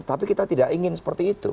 tapi kita tidak ingin seperti itu